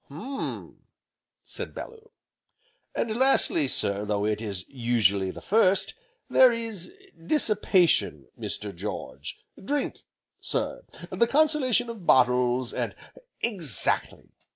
"Hum!" said Bellew. "And lastly sir, though it is usually the first, there is dissipation, Mr. George. Drink, sir, the consolation of bottles, and " "Exactly!"